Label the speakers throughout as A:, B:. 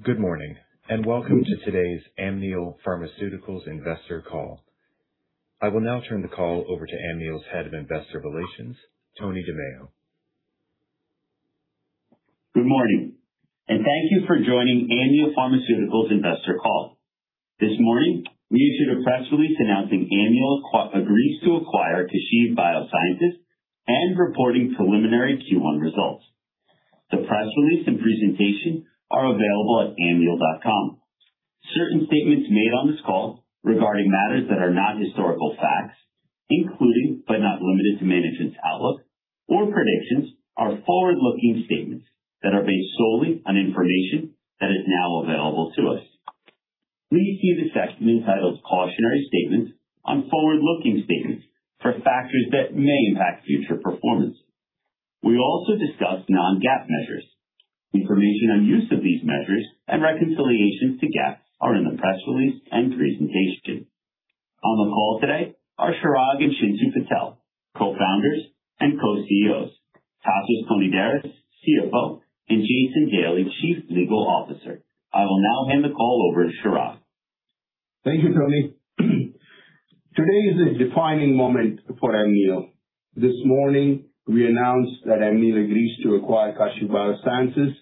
A: Good morning, Welcome to today's Amneal Pharmaceuticals Investor Call. I will now turn the call over to Amneal's Head of Investor Relations, Anthony DiMeo.
B: Good morning, and thank you for joining Amneal Pharmaceuticals Investor Call. This morning, we issued a press release announcing Amneal agrees to acquire Kashiv BioSciences and reporting preliminary Q1 results. The press release and presentation are available at amneal.com. Certain statements made on this call regarding matters that are not historical facts, including but not limited to management's outlook or predictions, are forward-looking statements that are based solely on information that is now available to us. Please see the section entitled Cautionary Statement on Forward Looking Statements for factors that may impact future performance. We will also discuss non-GAAP measures. Information and use of these measures and reconciliations to GAAP are in the press release and presentation. On the call today are Chirag and Chintu Patel, Co-founders and Co-CEOs, Tasos Konidaris, CFO, and Jason Daly, Chief Legal Officer. I will now hand the call over to Chirag.
C: Thank you, Tony. Today is a defining moment for Amneal. This morning, we announced that Amneal agrees to acquire Kashiv BioSciences,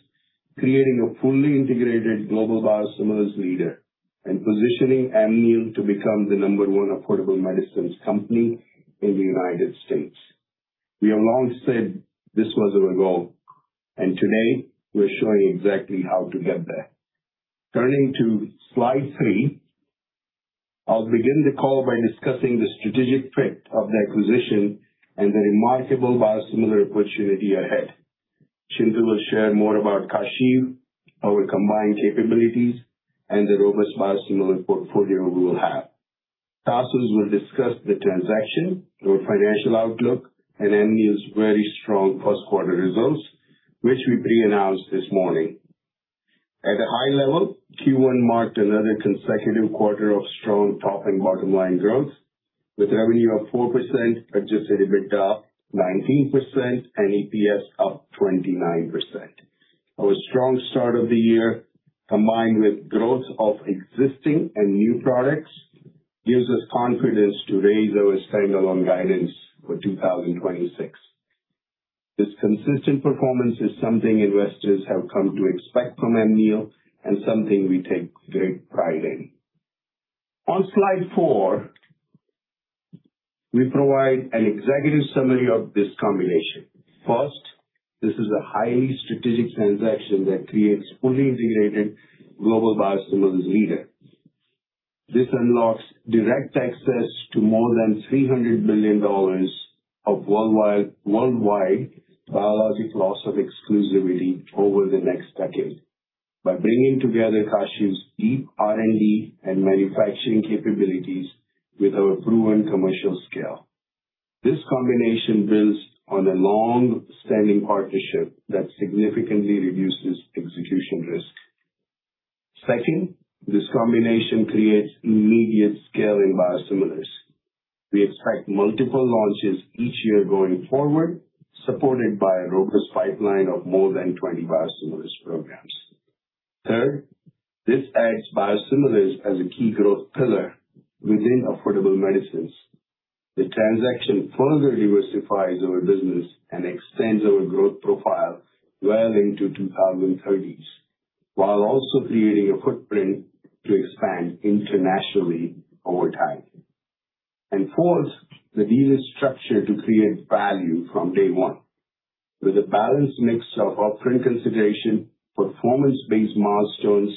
C: creating a fully integrated global biosimilars leader and positioning Amneal to become the number 1 affordable medicines company in the U.S. We have long said this was our goal. Today we're showing exactly how to get there. Turning to slide 3, I'll begin the call by discussing the strategic fit of the acquisition and the remarkable biosimilar opportunity ahead. Chintu will share more about Kashiv, our combined capabilities, and the robust biosimilar portfolio we will have. Tasos will discuss the transaction, our financial outlook, and Amneal's very strong first quarter results, which we pre-announced this morning. At a high level, Q1 marked another consecutive quarter of strong top and bottom line growth, with revenue up 4%, adjusted EBITDA 19%, and EPS up 29%. Our strong start of the year, combined with growth of existing and new products, gives us confidence to raise our standalone guidance for 2026. This consistent performance is something investors have come to expect from Amneal and something we take great pride in. On slide 4, we provide an executive summary of this combination. First, this is a highly strategic transaction that creates fully integrated global biosimilars leader. This unlocks direct access to more than $300 million of worldwide biologic loss of exclusivity over the next decade by bringing together Kashiv's deep R&D and manufacturing capabilities with our proven commercial scale. This combination builds on a long-standing partnership that significantly reduces execution risk. Second, this combination creates immediate scale in biosimilars. We expect multiple launches each year going forward, supported by a robust pipeline of more than 20 biosimilars programs. Third, this adds biosimilars as a key growth pillar within affordable medicines. The transaction further diversifies our business and extends our growth profile well into 2030s, while also creating a footprint to expand internationally over time. Fourth, the deal is structured to create value from day 1. With a balanced mix of up-front consideration, performance-based milestones,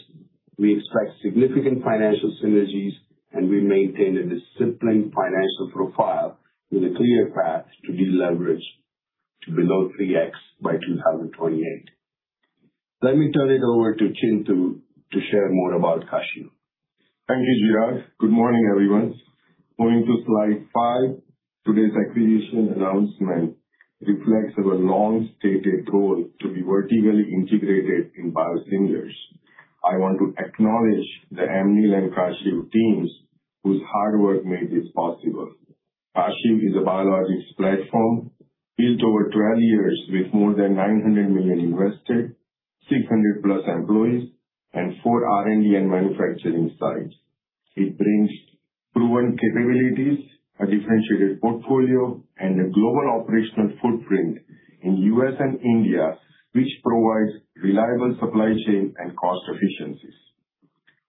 C: we expect significant financial synergies, and we maintain a disciplined financial profile with a clear path to deleverage to below 3x by 2028. Let me turn it over to Chintu to share more about Kashiv.
D: Thank you, Chirag. Good morning, everyone. Going to slide 5. Today's acquisition announcement reflects our long-stated goal to be vertically integrated in biosimilars. I want to acknowledge the Amneal and Kashiv teams whose hard work made this possible. Kashiv is a biologics platform built over 12 years with more than $900 million invested, 600+ employees, and 4 R&D and manufacturing sites. It brings proven capabilities, a differentiated portfolio, and a global operational footprint in U.S. and India, which provides reliable supply chain and cost efficiencies.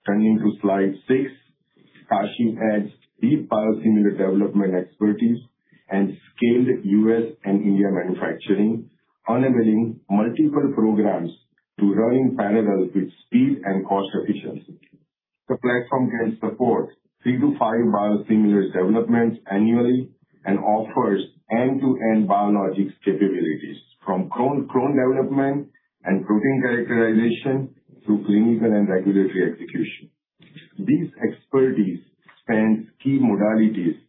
D: Turning to slide 6. Kashiv has deep biosimilar development expertise and scaled U.S. and India manufacturing, enabling multiple programs to run in parallel with speed and cost efficiency. The platform can support three to five biosimilars developments annually and offers end-to-end biologics capabilities from cell-line development and protein characterization to clinical and regulatory execution. These expertise spans key modalities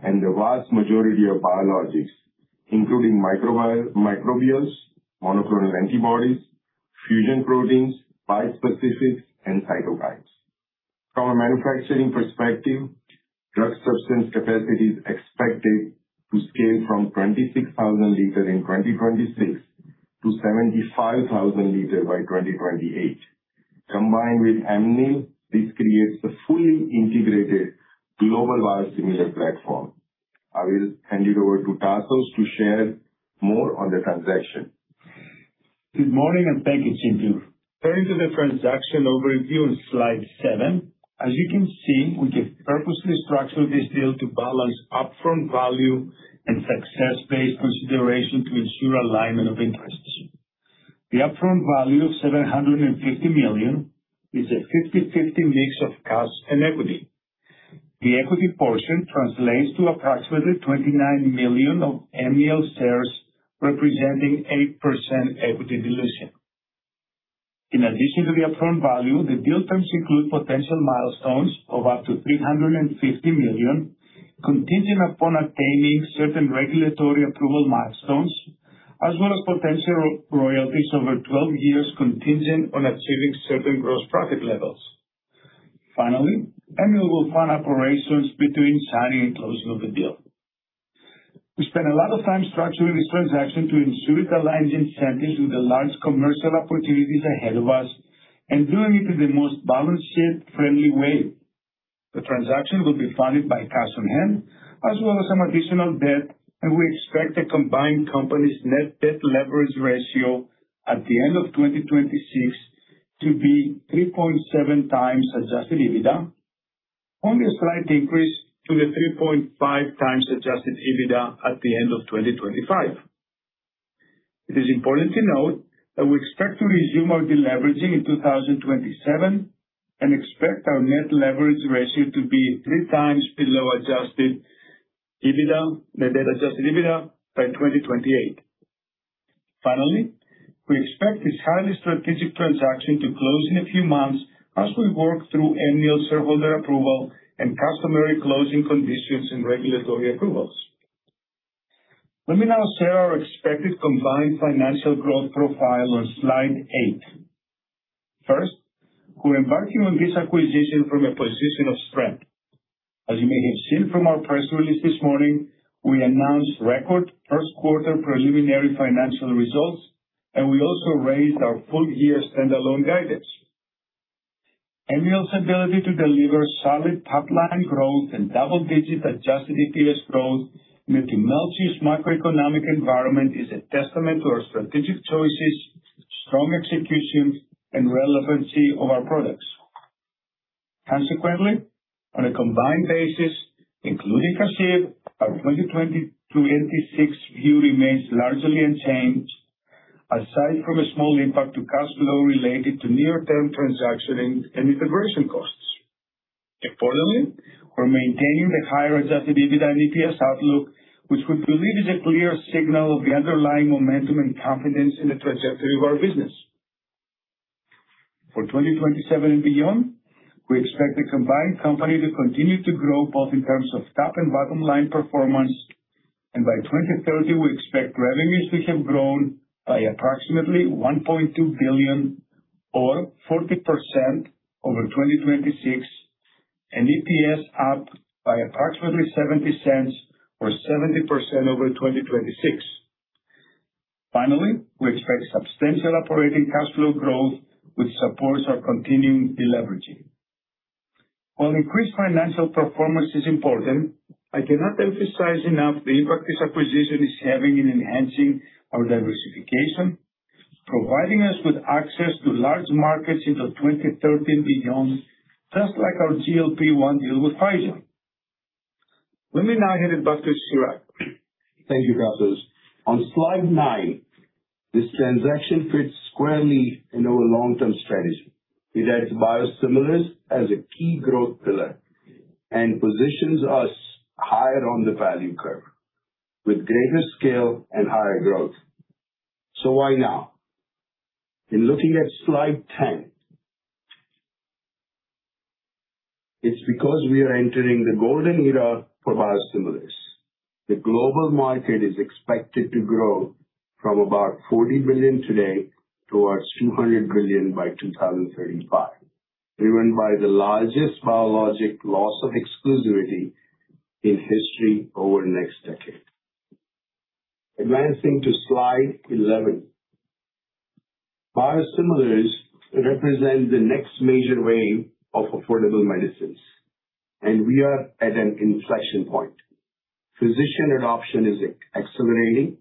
D: and the vast majority of biologics, including microbials, monoclonal antibodies, fusion proteins, bispecifics, and cytokines. From a manufacturing perspective, drug substance capacity is expected to scale from 26,000 liters in 2026 to 75,000 liters by 2028. Combined with Amneal, this creates a fully integrated global biosimilar platform. I will hand it over to Tasos to share more on the transaction.
E: Good morning. Thank you, Chintu. Turning to the transaction overview on slide 7. As you can see, we have purposely structured this deal to balance upfront value and success-based consideration to ensure alignment of interests. The upfront value of $750 million is a 50/50 mix of cash and equity. The equity portion translates to approximately $29 million of Amneal shares, representing 8% equity dilution. In addition to the upfront value, the deal terms include potential milestones of up to $350 million, contingent upon attaining certain regulatory approval milestones, as well as potential royalties over 12 years contingent on achieving certain gross profit levels. Finally, Amneal will fund operations between signing and closing of the deal. We spent a lot of time structuring this transaction to ensure it aligns incentives with the large commercial opportunities ahead of us and doing it in the most balance sheet-friendly way. The transaction will be funded by cash on hand as well as some additional debt. We expect the combined company's net debt leverage ratio at the end of 2026 to be 3.7x adjusted EBITDA, only a slight increase to the 3.5x adjusted EBITDA at the end of 2025. It is important to note that we expect to resume our deleveraging in 2027 and expect our net leverage ratio to be 3x below net debt adjusted EBITDA by 2028. Finally, we expect this highly strategic transaction to close in a few months as we work through Amneal shareholder approval and customary closing conditions and regulatory approvals. Let me now share our expected combined financial growth profile on slide 8. First, we're embarking on this acquisition from a position of strength. As you may have seen from our press release this morning, we announced record first quarter preliminary financial results, and we also raised our full year standalone guidance. Amneal's ability to deliver solid pipeline growth and double-digit adjusted EPS growth in a tumultuous macroeconomic environment is a testament to our strategic choices, strong execution, and relevancy of our products. Consequently, on a combined basis, including Kashiv, our 2020 to 2086 view remains largely unchanged, aside from a small impact to cash flow related to near-term transaction and integration costs. Accordingly, we're maintaining the higher adjusted EBITDA and EPS outlook, which we believe is a clear signal of the underlying momentum and confidence in the trajectory of our business. For 2027 and beyond, we expect the combined company to continue to grow both in terms of top and bottom line performance. By 2030, we expect revenues to have grown by approximately $1.2 billion or 40% over 2026, and EPS up by approximately $0.70 or 70% over 2026. Finally, we expect substantial operating cash flow growth, which supports our continuing deleveraging. While increased financial performance is important, I cannot emphasize enough the impact this acquisition is having in enhancing our diversification, providing us with access to large markets into 2030 and beyond, just like our GLP-1 deal with Pfizer. Let me now hand it back to Chirag.
C: Thank you, Tasos. On slide 9, this transaction fits squarely in our long-term strategy. It adds biosimilars as a key growth pillar and positions us higher on the value curve with greater scale and higher growth. Why now? In looking at slide 10. It's because we are entering the golden era for biosimilars. The global market is expected to grow from about $40 billion today towards $200 billion by 2035, driven by the largest biologic loss of exclusivity in history over the next decade. Advancing to slide 11. Biosimilars represent the next major wave of affordable medicines. We are at an inflection point. Physician adoption is accelerating,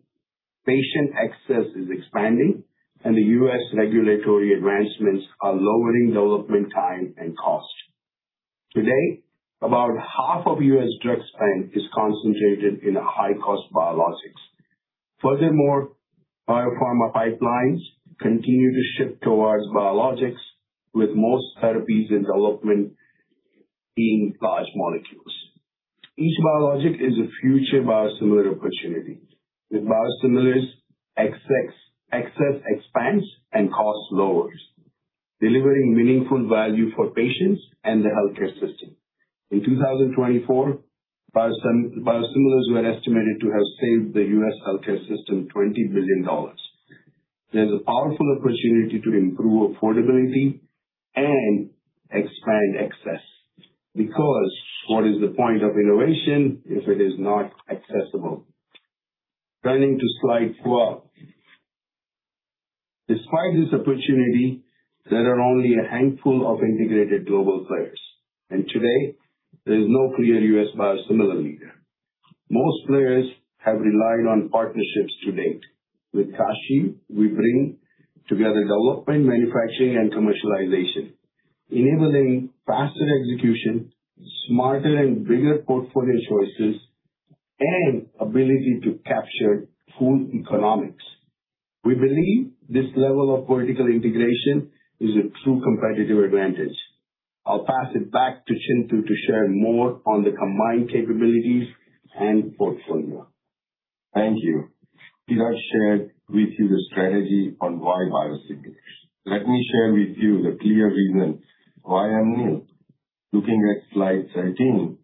C: patient access is expanding. The U.S. regulatory advancements are lowering development time and cost. Today, about half of U.S. drug spend is concentrated in high-cost biologics. Furthermore, biopharma pipelines continue to shift towards biologics, with most therapies in development being large molecules. Each biologic is a future biosimilar opportunity. With biosimilars, access expands and cost lowers, delivering meaningful value for patients and the healthcare system. In 2024, biosimilars were estimated to have saved the U.S. healthcare system $20 billion. There's a powerful opportunity to improve affordability and expand access because what is the point of innovation if it is not accessible? Turning to slide 12. Despite this opportunity, there are only a handful of integrated global players, and today there is no clear U.S. biosimilar leader. Most players have relied on partnerships to date. With Kashiv, we bring together development, manufacturing, and commercialization, enabling faster execution, smarter and bigger portfolio choices, and ability to capture full economics. We believe this level of vertical integration is a true competitive advantage. I'll pass it back to Chintu to share more on the combined capabilities and portfolio.
D: Thank you. Chirag shared with you the strategy on why biosimilars. Let me share with you the clear reason why Amneal? Looking at slide 13.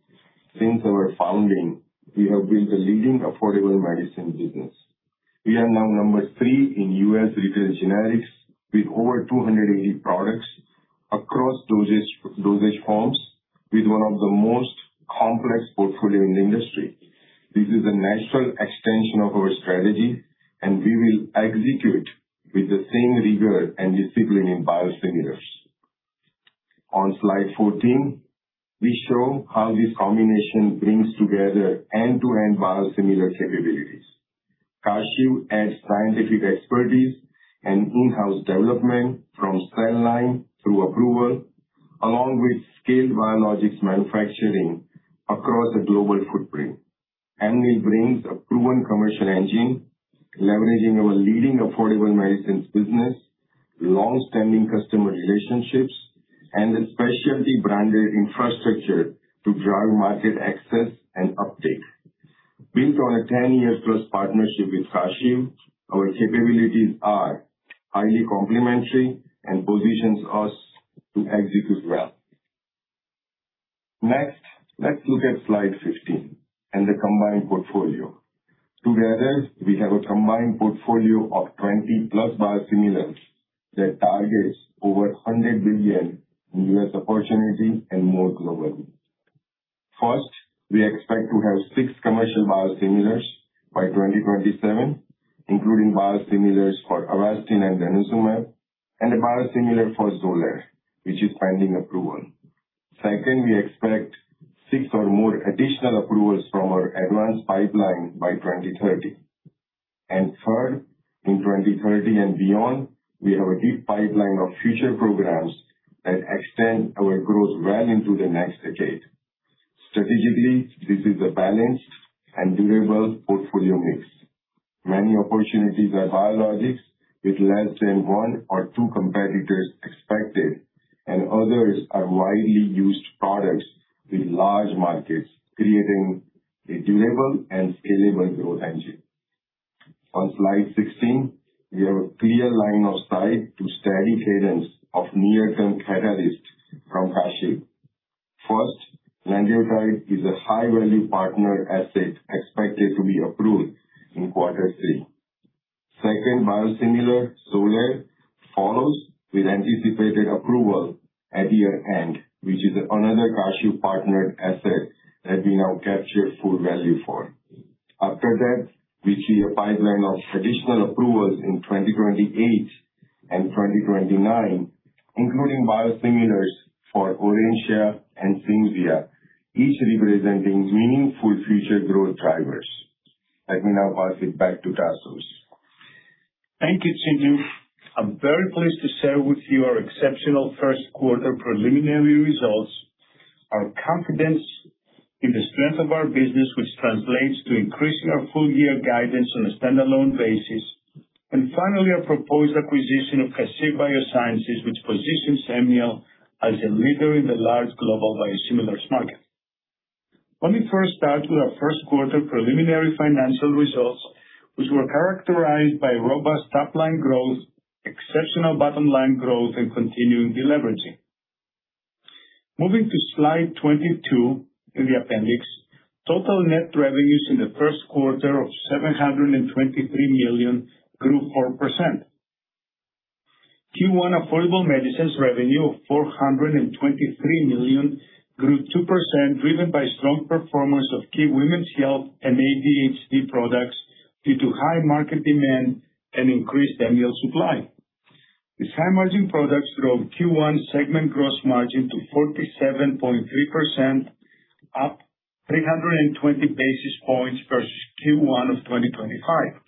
D: Since our founding, we have been the leading affordable medicine business. We are now number 3 in U.S. retail generics with over 280 products across dosage forms with one of the most complex portfolio in the industry. This is a natural extension of our strategy, and we will execute with the same rigor and discipline in biosimilars. On slide 14, we show how this combination brings together end-to-end biosimilar capabilities. Kashiv adds scientific expertise and in-house development from cell line through approval, along with scaled biologics manufacturing across a global footprint. Amneal brings a proven commercial engine, leveraging our leading affordable medicines business, long-standing customer relationships, and a specialty branded infrastructure to drive market access and uptake. Built on a 10-year plus partnership with Kashiv, our capabilities are highly complementary and positions us to execute well. Next, let's look at slide 15 and the combined portfolio. Together, we have a combined portfolio of 20+ biosimilars that targets over $100 billion in U.S. opportunity and more globally. First, we expect to have six commercial biosimilars by 2027, including biosimilars for Avastin and Denosumab and a biosimilar for Xolair, which is pending approval. Second, we expect six or more additional approvals from our advanced pipeline by 2030. Third, in 2030 and beyond, we have a deep pipeline of future programs that extend our growth well into the next decade. Strategically, this is a balanced and durable portfolio mix. Many opportunities are biologics with less than one or two competitors expected, and others are widely used products with large markets, creating a durable and scalable growth engine. On slide 16, we have a clear line of sight to steady cadence of near-term catalysts from Kashiv. First, Lanreotide is a high-value partner asset expected to be approved in quarter 3. Second biosimilar, Xolair, follows with anticipated approval at year-end, which is another Kashiv partner asset that we now capture full value for. After that, we see a pipeline of traditional approvals in 2028 and 2029, including biosimilars for Orencia and Cimzia, each representing meaningful future growth drivers. Let me now pass it back to Tasos.
E: Thank you, Chintu. I'm very pleased to share with you our exceptional first quarter preliminary results, our confidence in the strength of our business, which translates to increasing our full year guidance on a standalone basis, and finally, our proposed acquisition of Kashiv BioSciences, which positions Amneal as a leader in the large global biosimilars market. Let me first start with our first quarter preliminary financial results, which were characterized by robust top line growth, exceptional bottom line growth, and continuing deleveraging. Moving to slide 22 in the appendix, total net revenues in the first quarter of $723 million grew 4%. Q1 affordable medicines revenue of $423 million grew 2%, driven by strong performance of key women's health and ADHD products due to high market demand and increased Amneal supply. These high-margin products drove Q1 segment gross margin to 47.3%, up 320 basis points versus Q1 of 2025.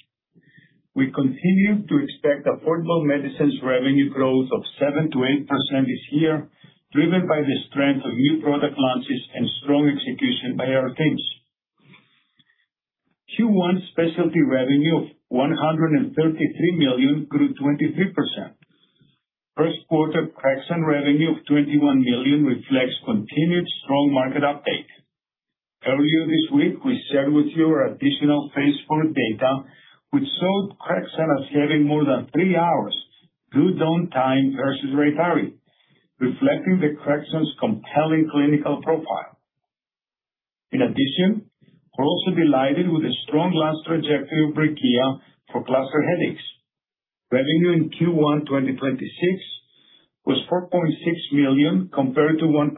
E: We continue to expect affordable medicines revenue growth of 7%-8% this year, driven by the strength of new product launches and strong execution by our teams. Q1 specialty revenue of $133 million grew 23%. First quarter CREXONT revenue of $21 million reflects continued strong market uptake. Earlier this week, we shared with you our additional phase IV data which showed CREXONT as having more than 3 hours fewer downtime versus RYTARY, reflecting the CREXONT's compelling clinical profile. In addition, we're also delighted with the strong launch trajectory of Brekiya for cluster headaches. Revenue in Q1 2026 was $4.6 million compared to $1.6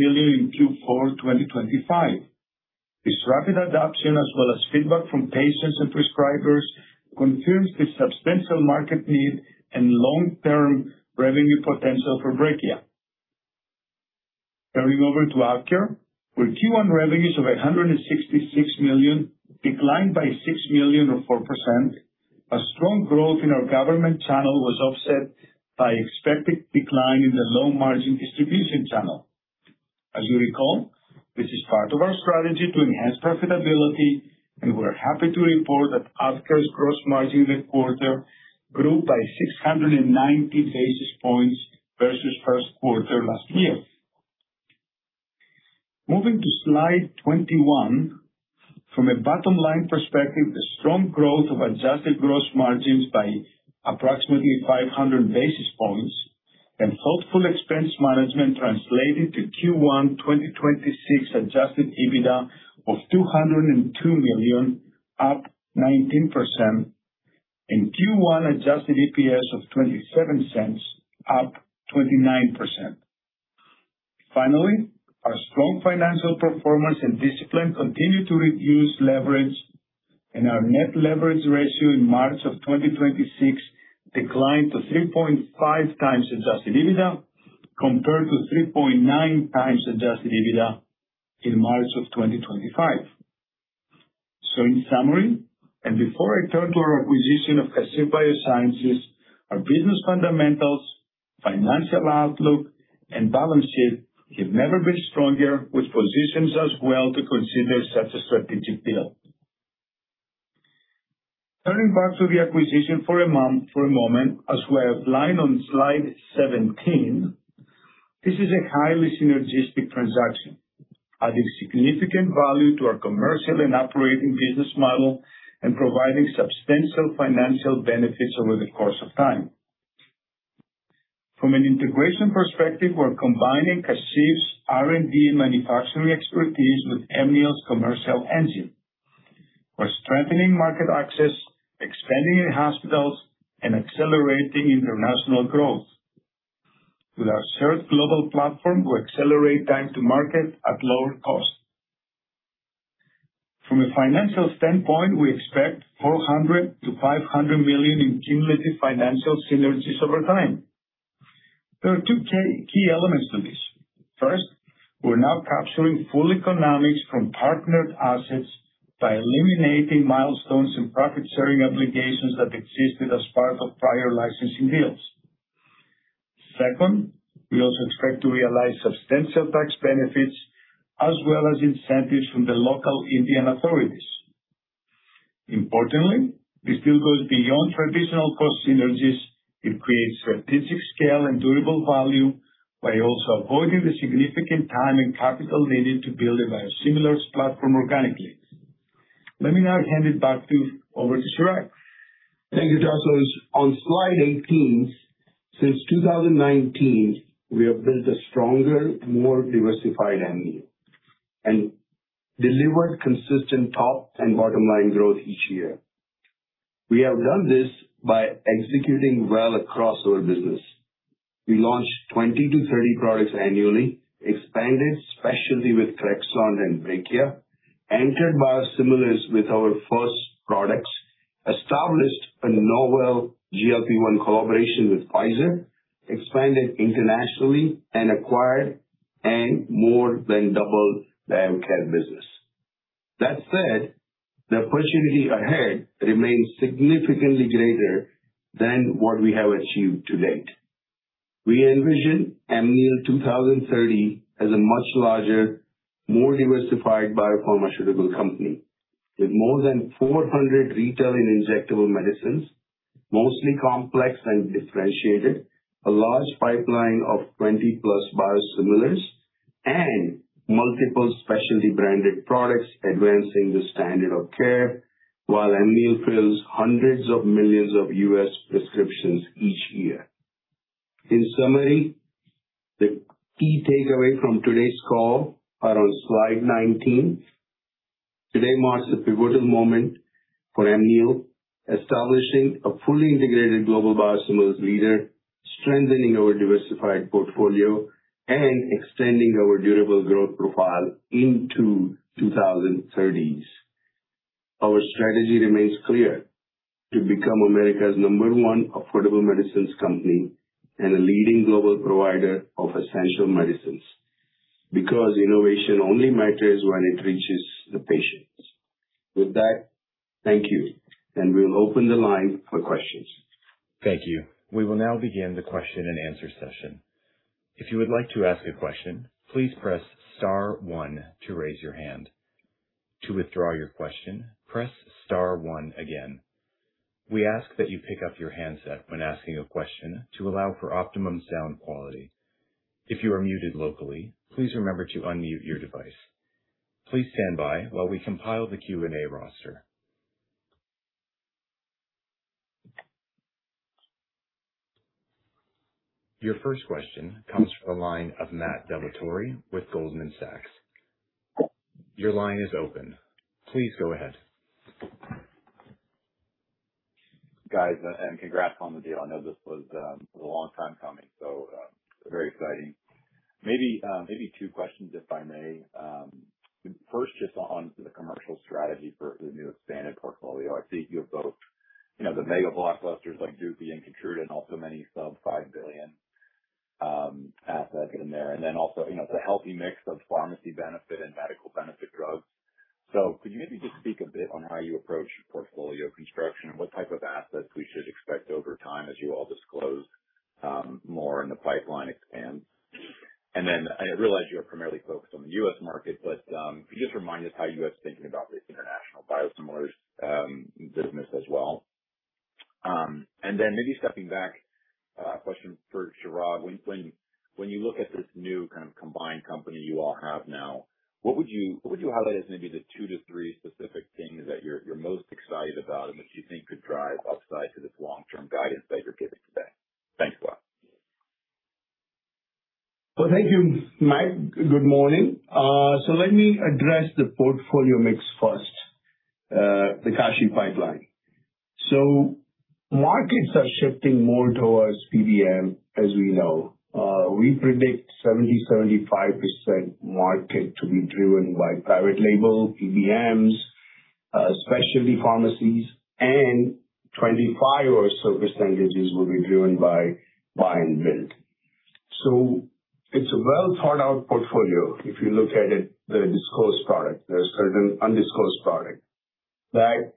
E: million in Q4 2025. This rapid adoption, as well as feedback from patients and prescribers, confirms the substantial market need and long-term revenue potential for Brekiya. Turning over to Advair, where Q1 revenues of $866 million declined by $6 million or 4%, a strong growth in our government channel was offset by expected decline in the low-margin distribution channel. As you recall, this is part of our strategy to enhance profitability, and we're happy to report that Advair's gross margin this quarter grew by 690 basis points versus first quarter last year. Moving to slide 21. From a bottom-line perspective, the strong growth of adjusted gross margins by approximately 500 basis points and hopeful expense management translated to Q1 2026 adjusted EBITDA of $202 million, up 19%, and Q1 adjusted EPS of $0.27, up 29%. [Finally,] our strong financial performance and discipline continue to reduce leverage, and our net leverage ratio in March 2026 declined to 3.5x adjusted EBITDA, compared to 3.9x adjusted EBITDA in March 2025. In summary, and before I turn to our acquisition of Kashiv BioSciences, our business fundamentals, financial outlook, and balance sheet have never been stronger, which positions us well to consider such a strategic deal. Turning back to the acquisition for a moment. As we outline on slide 17, this is a highly synergistic transaction, adding significant value to our commercial and operating business model and providing substantial financial benefits over the course of time. From an integration perspective, we're combining Kashiv's R&D and manufacturing expertise with Amneal's commercial engine. We're strengthening market access, expanding in hospitals, and accelerating international growth. With our shared global platform, we accelerate time to market at lower cost. From a financial standpoint, we expect $400 million-$500 million in cumulative financial synergies over time. There are 2 key elements to this. First, we're now capturing full economics from partnered assets by eliminating milestones and profit-sharing obligations that existed as part of prior licensing deals. Second, we also expect to realize substantial tax benefits as well as incentives from the local Indian authorities. Importantly, this deal goes beyond traditional cost synergies. It creates strategic scale and durable value by also avoiding the significant time and capital needed to build a biosimilars platform organically. Let me now hand it over to Chirag.
C: Thank you, Tasos. On slide 18, since 2019, we have built a stronger, more diversified Amneal and delivered consistent top and bottom line growth each year. We have done this by executing well across our business. We launched 20-30 products annually, expanded specialty with Trexall and Brekiya, entered biosimilars with our first products, established a novel GLP-1 collaboration with Pfizer, expanded internationally, and acquired and more than doubled the AvKARE business. That said, the opportunity ahead remains significantly greater than what we have achieved to date. We envision Amneal 2030 as a much larger, more diversified biopharmaceutical company with more than 400 retail and injectable medicines, mostly complex and differentiated, a large pipeline of 20-plus biosimilars and multiple specialty branded products advancing the standard of care while Amneal fills hundreds of millions of U.S. prescriptions each year. In summary, the key takeaway from today's call are on slide 19. Today marks a pivotal moment for Amneal, establishing a fully integrated global biosimilars leader, strengthening our diversified portfolio, and extending our durable growth profile into 2030. Our strategy remains clear: to become America's number 1 affordable medicines company and a leading global provider of essential medicines, because innovation only matters when it reaches the patients. With that, thank you, and we'll open the line for questions.
A: Thank you. We will now begin the question-and-answer session. If you would like to ask a question, please press star one to raise your hand. To withdraw your question, press star one again. We ask that you pick up your handset when asking a question to allow for optimum sound quality. If you are muted locally, please remember to unmute your device. Please stand by while we compile the Q&A roster. Your first question comes from the line of Matt Dellatorre with Goldman Sachs. Your line is open. Please go ahead.
F: Guys, congrats on the deal. I know this was a long time coming, very exciting. Maybe 2 questions, if I may. First, just on the commercial strategy for the new expanded portfolio. I see you have both, you know, the mega blockbusters like Dupixent, Keytruda, and also many sub $5 billion assets in there. Also, you know, it's a healthy mix of pharmacy benefit and medical benefit drugs. Could you maybe just speak a bit on how you approach portfolio construction and what type of assets we should expect over time as you all disclose more in the pipeline expand? I realize you are primarily focused on the U.S. market, but could you just remind us how you guys are thinking about this international biosimilars business as well? Then maybe stepping back, question for Chirag. When you look at this new kind of combined company you all have now, what would you highlight as maybe the two to three specific things that you're most excited about and that you think could drive upside to this long-term guidance that you're giving today? Thanks a lot.
C: Well, thank you, Matt. Good morning. Let me address the portfolio mix first, the Kashiv pipeline. Markets are shifting more towards PBM as we know. We predict 70%, 75% market to be driven by private label PBMs, specialty pharmacies, and 25% or so percentages will be driven by buy and bill. It's a well-thought-out portfolio. If you look at it, the disclosed product, there are certain undisclosed product that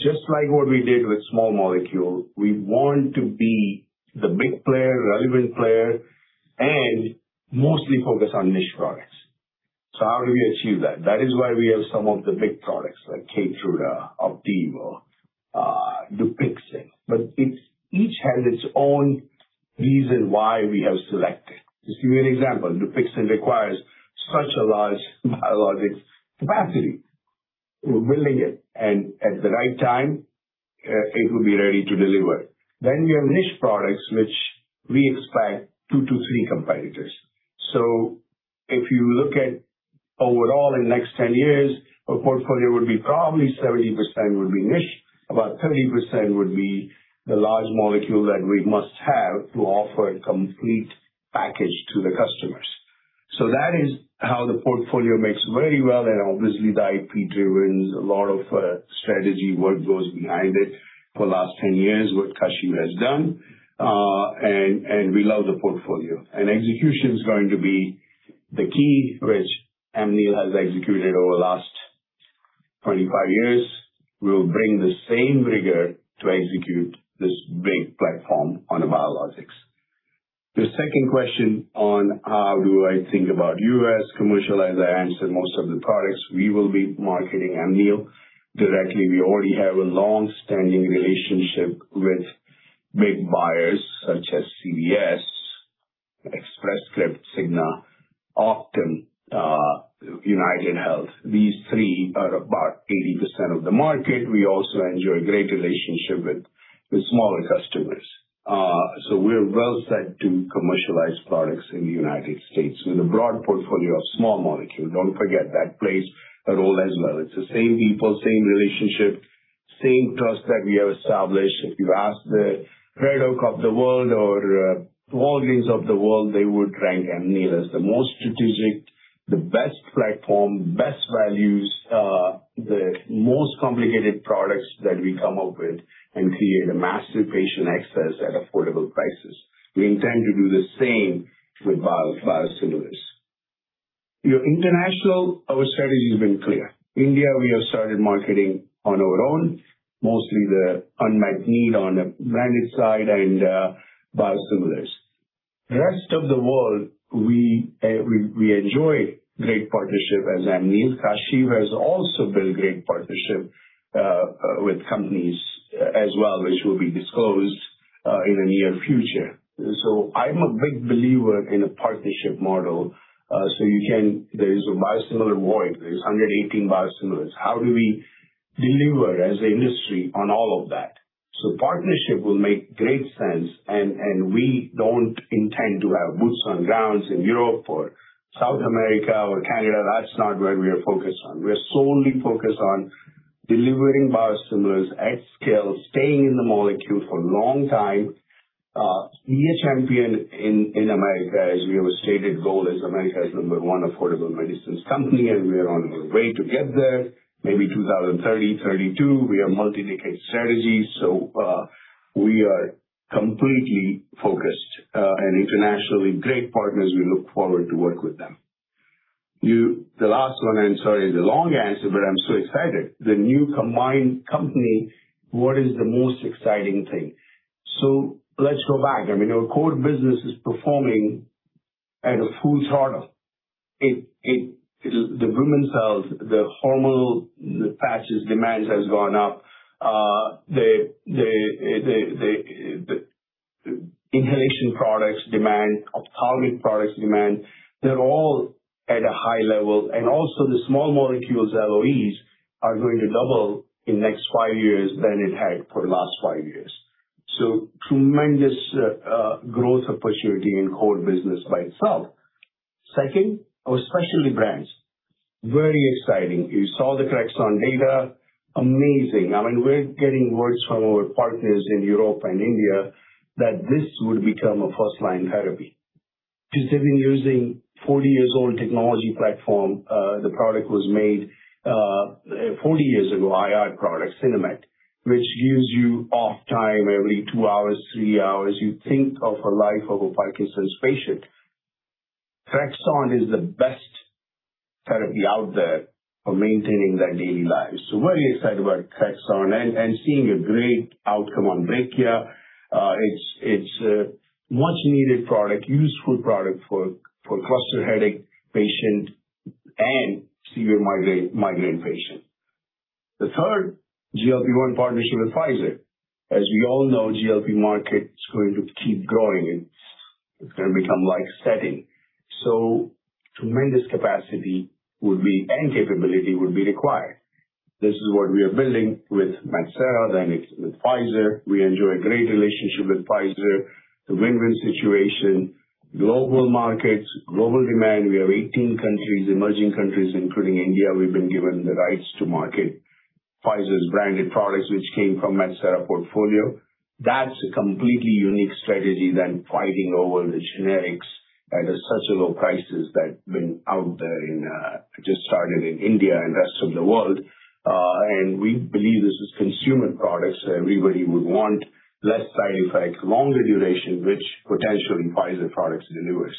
C: just like what we did with small molecule, we want to be the big player, relevant player, and mostly focus on niche products. How do we achieve that? That is why we have some of the big products like Keytruda, Opdivo, Dupixent. Each has its own reason why we have selected. Just give you an example. Dupixent requires such a large biologics capacity. We're building it, at the right time, it will be ready to deliver. We have niche products which we expect 2 to 3 competitors. If you look at overall in next 10 years, our portfolio would be probably 70% would be niche, about 30% would be the large molecule that we must have to offer a complete package to the customers. That is how the portfolio makes very well, and obviously the IP driven, a lot of strategy work goes behind it for the last 10 years, what Kashiv has done. We love the portfolio. Execution is going to be the key, which Amneal has executed over the last 25 years. We'll bring the same rigor to execute this big platform on the biologics. The second question on how do I think about U.S. commercial. As I answered most of the products, we will be marketing Amneal directly. We already have a long-standing relationship with big buyers such as CVS, Express Scripts, The Cigna Group, Optum, UnitedHealth Group. These 3 are about 80% of the market. We also enjoy a great relationship with smaller customers. We're well set to commercialize products in the United States with a broad portfolio of small molecules. Don't forget that plays a role as well. It's the same people, same relationship, same trust that we have established. If you ask the Red Oak Sourcing of the world or Walgreens of the world, they would rank Amneal as the most strategic, the best platform, best values, the most complicated products that we come up with and create a massive patient access at affordable prices. We intend to do the same with biosimilars. Your international, our strategy has been clear. India, we have started marketing on our own, mostly the unmet need on the branded side and biosimilars. The rest of the world, we enjoy great partnership as Amneal. Kashiv has also built great partnership with companies as well, which will be disclosed in the near future. I'm a big believer in a partnership model. There is a biosimilar void. There's 118 biosimilars. How do we deliver as an industry on all of that? Partnership will make great sense, and we don't intend to have boots on grounds in Europe or South America or Canada. That's not where we are focused on. We are solely focused on delivering biosimilars at scale, staying in the molecule for a long time. Be a champion in America, as we have a stated goal as America's number one affordable medicines company, we are on our way to get there. Maybe 2030, 2032. We are multi-decade strategy. We are completely focused, internationally great partners. We look forward to work with them. The last one, I'm sorry, is a long answer, I'm so excited. The new combined company, what is the most exciting thing? Let's go back. I mean, our core business is performing at a full throttle. The women's health, the hormonal patches demands has gone up. The inhalation products demand, ophthalmic products demand, they're all at a high level. Also the small molecules LOEs are going to double in next 5 years than it had for the last 5 years. Tremendous growth opportunity in core business by itself. Second, our specialty brands. Very exciting. You saw the TREXIMET data. Amazing. I mean, we're getting words from our partners in Europe and India that this would become a first-line therapy. Because they've been using 40 years old technology platform, the product was made 40 years ago, IR product Sinemet, which gives you off time every 2 hours, 3 hours. You think of a life of a Parkinson's patient. Treximet is the best therapy out there for maintaining their daily lives. Very excited about TREXIMET and seeing a great outcome on BREKIYA. It's a much needed product, useful product for cluster headache patient and severe migraine patient. The third, GLP-1 partnership with Pfizer. As we all know, GLP market is going to keep growing. It's gonna become like steady. Tremendous capacity would be and capability would be required. This is what we are building with Metsera, then with Pfizer. We enjoy a great relationship with Pfizer. It's a win-win situation. Global markets, global demand. We have 18 countries, emerging countries, including India. We've been given the rights to market Pfizer's branded products, which came from Metsera portfolio. That's a completely unique strategy than fighting over the generics at such low prices that been out there in just started in India and rest of the world. We believe this is consumer products everybody would want. Less side effects, longer duration, which potentially Pfizer products delivers.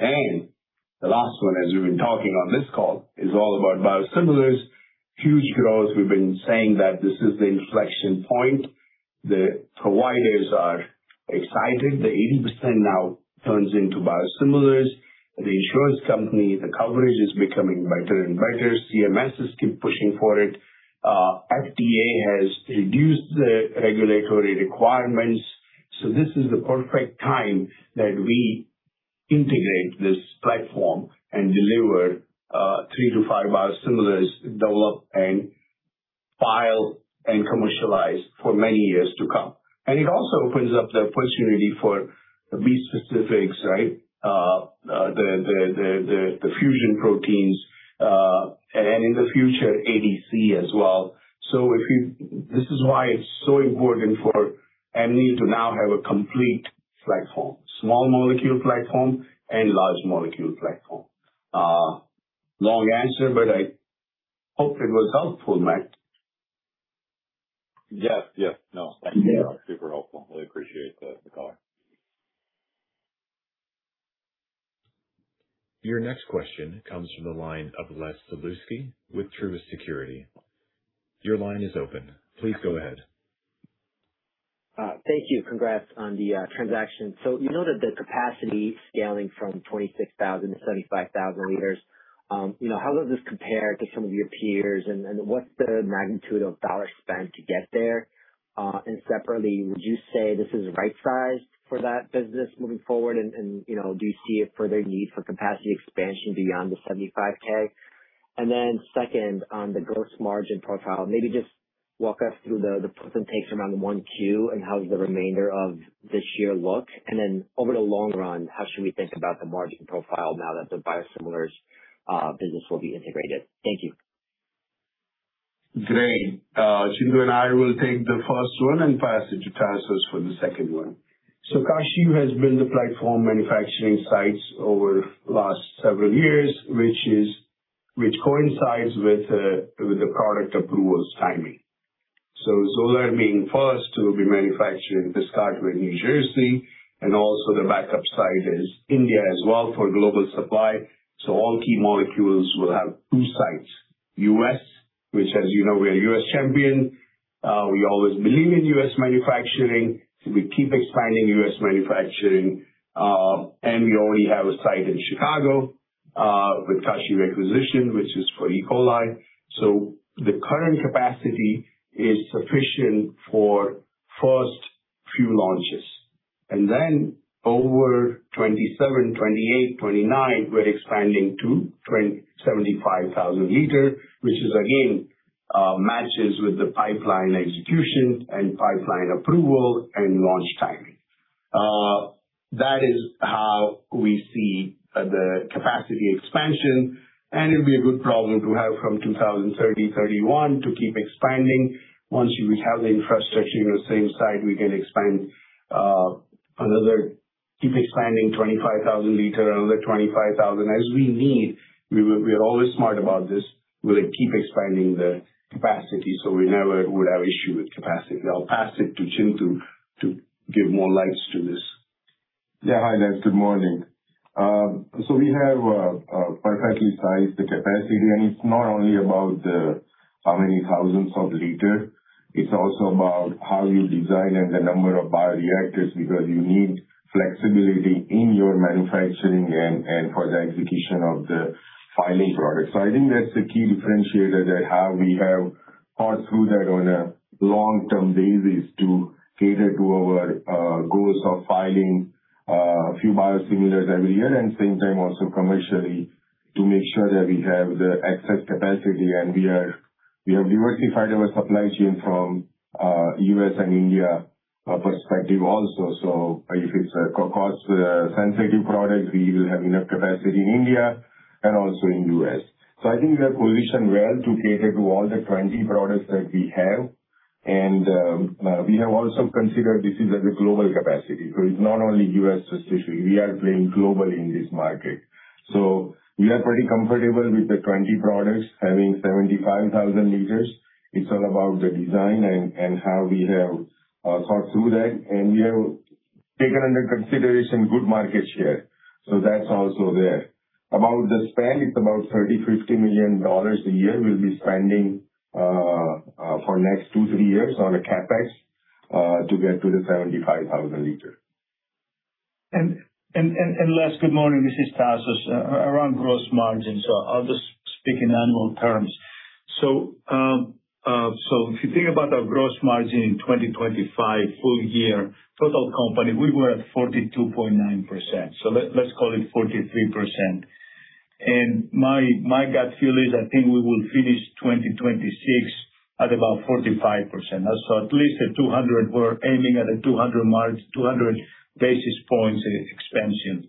C: The last one, as we've been talking on this call, is all about biosimilars. Huge growth. We've been saying that this is the inflection point. The providers are excited. The 80% now turns into biosimilars. The insurance company, the coverage is becoming better and better. CMSs keep pushing for it. FDA has reduced the regulatory requirements. This is the perfect time that we integrate this platform and deliver three to five biosimilars, develop and file and commercialize for many years to come. It also opens up the opportunity for bispecifics, right? The fusion proteins, and in the future, ADC as well. This is why it's so important for Amneal to now have a complete platform, small molecule platform and large molecule platform. Long answer, but I hope it was helpful, Matt.
F: Yes. Yes. No, thank you. Super helpful. Really appreciate the color.
A: Your next question comes from the line of Les Sulewski with Truist Securities. Your line is open. Please go ahead.
G: Thank you. Congrats on the transaction. You noted the capacity scaling from 26,000 to 75,000 liters. You know, how does this compare to some of your peers? What's the magnitude of dollar spend to get there? Separately, would you say this is right size for that business moving forward? You know, do you see a further need for capacity expansion beyond the 75,000? Second, on the gross margin profile, maybe just walk us through the puts and takes around the 1Q and how does the remainder of this year look. Over the long run, how should we think about the margin profile now that the biosimilars business will be integrated? Thank you.
C: Great. Chintu and I will take the 1st one and pass it to Tasos for the 2nd one. Kashiv has built the platform manufacturing sites over last several years, which coincides with the product approvals timing. Xolair being 1st to be manufacturing in Piscataway, New Jersey, and also the backup site is India as well for global supply. All key molecules will have 2 sites. U.S., which as you know, we're a U.S. champion. We always believe in U.S. manufacturing, so we keep expanding U.S. manufacturing. And we already have a site in Chicago with Kashiv acquisition, which is for E. coli. The current capacity is sufficient for 1st few launches. Over 2027, 2028, 2029, we're expanding to 75,000 liters, which is again, matches with the pipeline execution and pipeline approval and launch timing. That is how we see the capacity expansion, and it'll be a good problem to have from 2030, 2031 to keep expanding. Once we have the infrastructure in the same site, we can keep expanding 25,000 liters, another 25,000 as we need. We, we are always smart about this. We'll keep expanding the capacity, so we never would have issue with capacity. I'll pass it to Chintu to give more lights to this.
D: Hi, Les. Good morning. We have perfectly sized the capacity, and it's not only about the how many thousands of liters, it's also about how you design and the number of bioreactors, because you need flexibility in your manufacturing and for the execution of the filing product. I think that's the key differentiator that how we have thought through that on a long-term basis to cater to our goals of filing a few biosimilars every year and same time also commercially to make sure that we have the excess capacity and we have diversified our supply chain from U.S. and India perspective also. If it's a cost-sensitive product, we will have enough capacity in India and also in U.S. I think we are positioned well to cater to all the 20 products that we have. We have also considered this is at the global capacity. It's not only U.S. specifically. We are playing globally in this market. We are pretty comfortable with the 20 products having 75,000 liters. It's all about the design and how we have thought through that. We have taken under consideration good market share. That's also there. About the spend, it's about $30 million-$50 million a year we'll be spending for next 2, 3 years on a CapEx to get to the 75,000 liters.
E: Les, good morning, this is Tasos. Around gross margins, I'll just speak in annual terms. If you think about our gross margin in 2025 full year, total company, we were at 42.9%. Let's call it 43%. My gut feel is I think we will finish 2026 at about 45%. At least a 200, we're aiming at a 200 margin, 200 basis points expansion.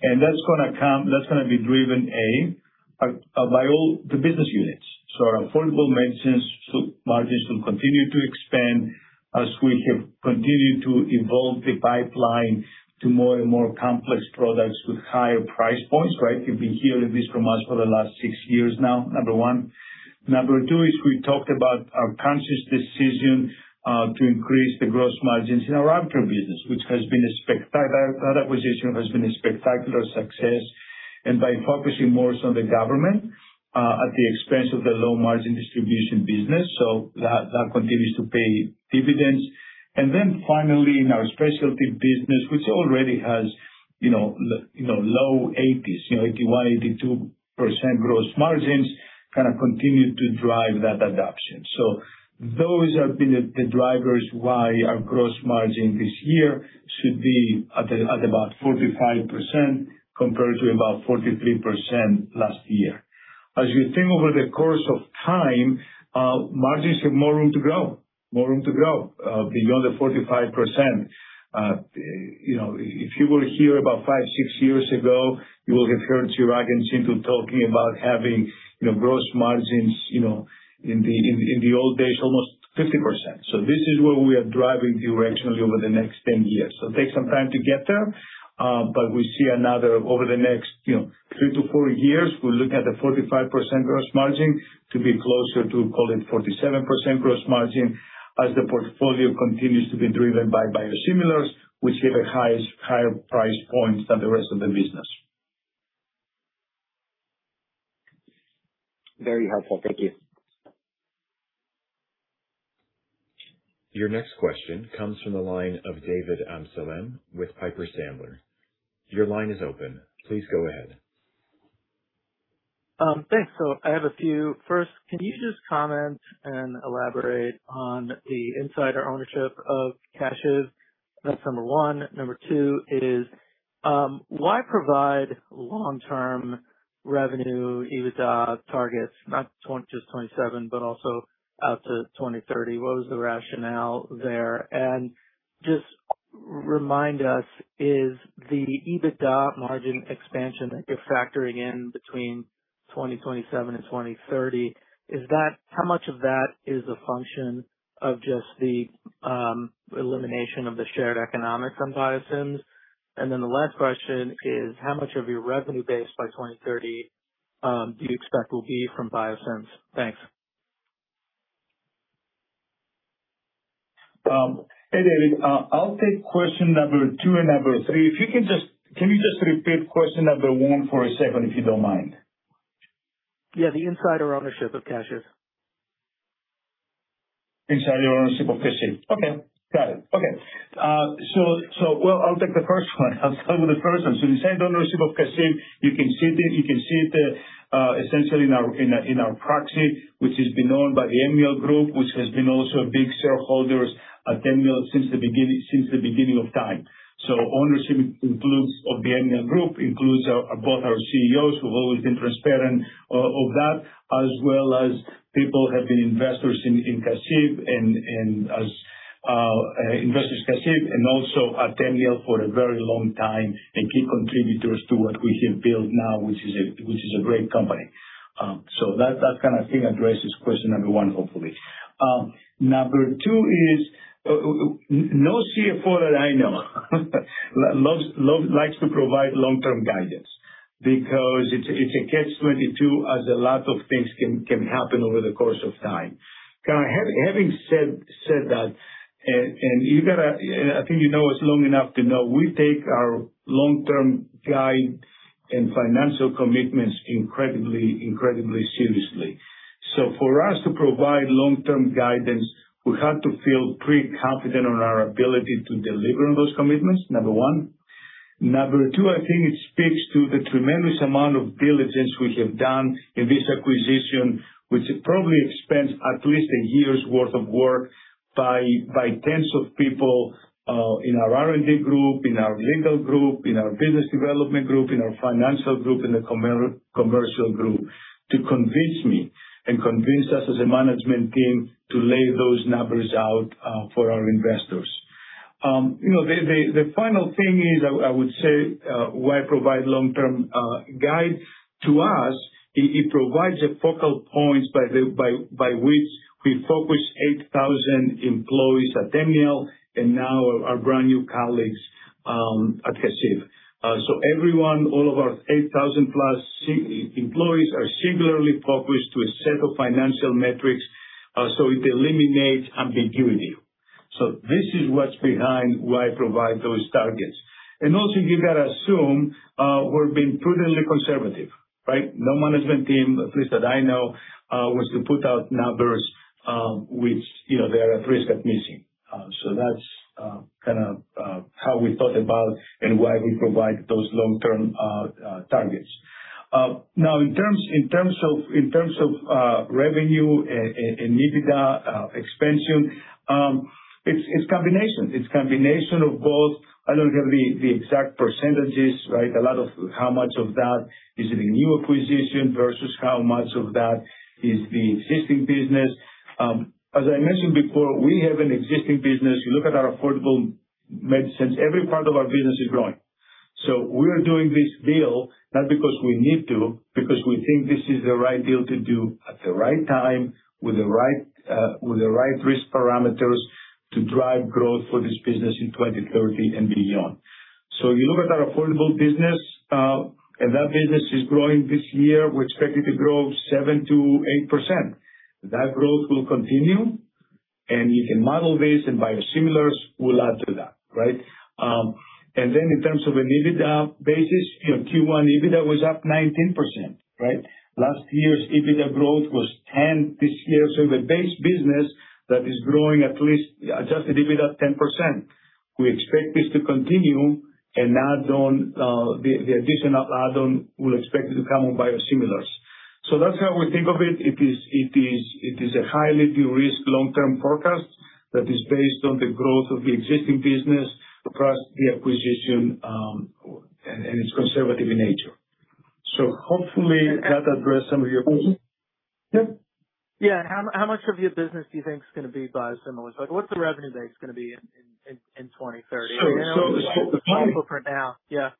E: That's gonna be driven, A, by all the business units. Our affordable medicines margins will continue to expand as we have continued to evolve the pipeline to more and more complex products with higher price points, right? You've been hearing this from us for the last 6 years now, number one. Number two is we talked about our conscious decision to increase the gross margins in our Arbor business, which has been that acquisition has been a spectacular success, and by focusing more on the government at the expense of the low margin distribution business. That continues to pay dividends. Finally, in our specialty business, which already has, you know, low 80s, you know, 81%, 82% gross margins, gonna continue to drive that adoption. Those have been the drivers why our gross margin this year should be at about 45% compared to about 43% last year. As you think over the course of time, margins have more room to grow beyond the 45%. You know, if you were here about five, six years ago, you would have heard Chirag and Chintu talking about having, you know, gross margins, you know, in the, in the old days, almost 50%. This is where we are driving directionally over the next 10 years. It takes some time to get there, but we see another over the next, you know, 3 to 4 years, we look at the 45% gross margin to be closer to call it 47% gross margin as the portfolio continues to be driven by biosimilars, which have a highest higher price points than the rest of the business.
G: Very helpful. Thank you.
A: Your next question comes from the line of David Amsellem with Piper Sandler. Your line is open. Please go ahead.
H: Thanks. I have a few. First, can you just comment and elaborate on the insider ownership of Kashiv? That's number one. Number two is, why provide long-term revenue EBITDA targets, not just 2027, but also out to 2030? What was the rationale there? Just remind us, is the EBITDA margin expansion that you're factoring in between 2027 and 2030, is that how much of that is a function of just the elimination of the shared economics on biosimilars? Then the last question is, how much of your revenue base by 2030, do you expect will be from biosimilars? Thanks.
E: Hey, David, I'll take question number two and number three. If you can just repeat question number 1 for a second, if you don't mind?
H: Yeah. The insider ownership of Kashiv.
E: Insider ownership of Kashiv. Okay. Got it. Okay. Well, I'll take the first one. I'll start with the first one. The insider ownership of Kashiv, you can see essentially in our, in our, in our proxy, which has been owned by the Amneal group, which has been also a big shareholders at Amneal since the beginning of time. Ownership of the Amneal group includes both our CEOs, who've always been transparent of that, as well as people have been investors in Kashiv, and also at Amneal for a very long time and key contributors to what we have built now, which is a great company. That kind of thing addresses question number one, hopefully. Number two is no CFO that I know loves, likes to provide long-term guidance because it's a catch 22 as a lot of things can happen over the course of time. Having said that, you gotta, I think you know us long enough to know we take our long-term guide and financial commitments incredibly seriously. For us to provide long-term guidance, we have to feel pretty confident on our ability to deliver on those commitments, number one. Number two, I think it speaks to the tremendous amount of diligence we have done in this acquisition, which probably expands at least a year's worth of work by tens of people in our R&D group, in our legal group, in our business development group, in our financial group, in the commercial group, to convince me and convince us as a management team to lay those numbers out for our investors. You know, the final thing is I would say, why provide long-term guide to us. It provides the focal points by which we focus 8,000 employees at Amneal and now our brand new colleagues at HESi. Everyone, all of our 8,000+ employees are singularly focused to a set of financial metrics, so it eliminates ambiguity. This is what's behind why provide those targets. You gotta assume, we're being prudently conservative, right? No management team, at least that I know, wants to put out numbers, which, you know, they're at risk of missing. That's kinda how we thought about and why we provide those long-term targets. Now in terms of revenue and EBITDA expansion, it's combination. It's combination of both. I don't have the exact percentages, right? A lot of how much of that is in the new acquisition versus how much of that is the existing business. As I mentioned before, we have an existing business. You look at our affordable medicines, every part of our business is growing. We are doing this deal not because we need to, because we think this is the right deal to do at the right time with the right, with the right risk parameters to drive growth for this business in 2030 and beyond. You look at our affordable business and that business is growing this year, we're expecting to grow 7%-8%. That growth will continue, and you can model this and biosimilars will add to that, right? In terms of an EBITDA basis, you know, Q1 EBITDA was up 19%, right? Last year's EBITDA growth was 10%. This year, the base business that is growing at least adjusted EBITDA 10%. We expect this to continue and add on, the additional add on will expect it to come on biosimilars. That's how we think of it. It is a highly de-risked long-term forecast that is based on the growth of the existing business across the acquisition, and it's conservative in nature. Hopefully that addressed some of your questions. Yeah.
H: Yeah. How much of your business do you think is gonna be biosimilars? Like, what's the revenue base gonna be in 2030?
E: So, so the-
H: For now. Yeah.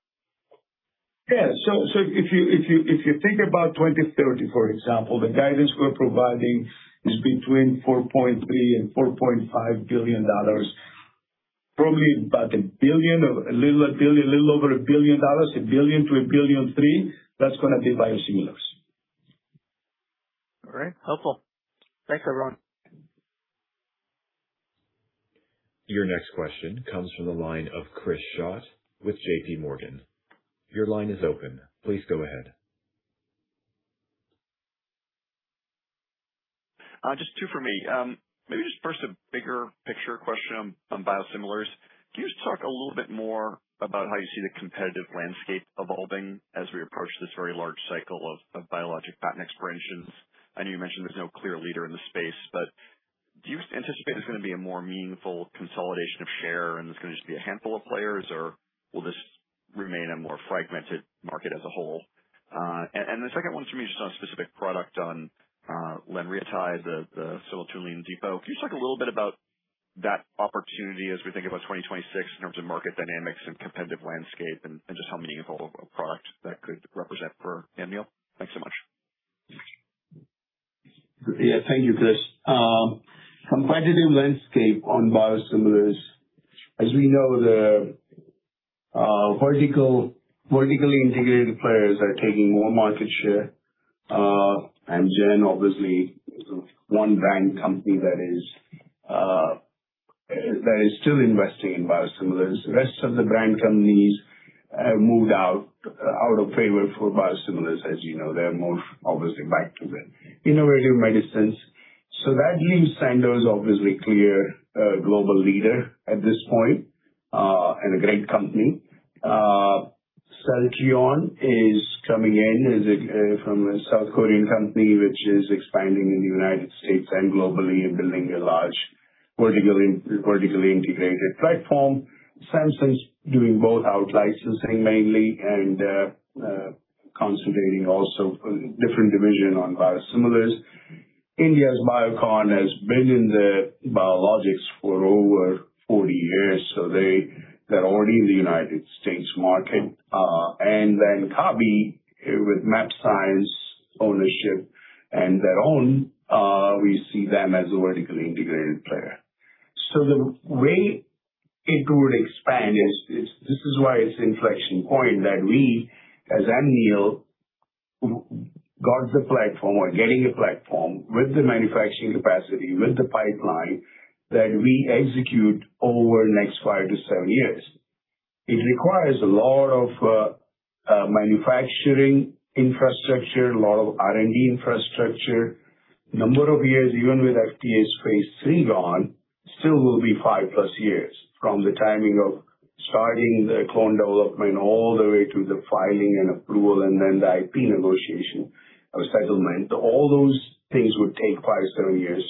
E: Yeah. If you think about 2030, for example, the guidance we're providing is between $4.3 billion and $4.5 billion, probably about $1 billion or a little $1 billion, a little over $1 billion, $1 billion-$1.3 billion, that's gonna be biosimilars.
H: All right. Helpful. Thanks, everyone.
A: Your next question comes from the line of Chris Schott with JPMorgan. Your line is open. Please go ahead.
I: Just two for me. Maybe just first a bigger picture question on biosimilars. Can you just talk a little bit more about how you see the competitive landscape evolving as we approach this very large cycle of biologic patent expirations? I know you mentioned there's no clear leader in the space, but do you anticipate there's gonna be a more meaningful consolidation of share, and it's gonna just be a handful of players, or will this remain a more fragmented market as a whole? The second one for me, just on a specific product on lanreotide (Somatuline Depot). Can you talk a little bit about that opportunity as we think about 2026 in terms of market dynamics and competitive landscape and just how meaningful a product that could represent for Amneal? Thanks so much.
C: Thank you, Chris. Competitive landscape on biosimilars. As we know, the vertically integrated players are taking more market share. Amgen, obviously one brand company that is still investing in biosimilars. The rest of the brand companies have moved out of favor for biosimilars, as you know. They're more obviously back to the innovative medicines. That leaves Sandoz obviously clear a global leader at this point and a great company. Celltrion is coming in as a from a South Korean company which is expanding in the U.S. and globally and building a large vertically integrated platform. Samsung's doing both out-licensing mainly and concentrating also different division on biosimilars. India's Biocon has been in the biologics for over 40 years, they're already in the U.S. market. Kabi with mAbxience ownership and their own, we see them as a vertically integrated player. The way it will expand is why it's inflection point that we, as Amneal, got the platform or getting a platform with the manufacturing capacity, with the pipeline that we execute over the next 5 to 7 years. It requires a lot. Manufacturing infrastructure, a lot of R&D infrastructure. Number of years, even with FDA's phase III gone, still will be 5+ years from the timing of starting the clone development all the way to the filing and approval and then the IP negotiation or settlement. All those things would take 5, 7 years.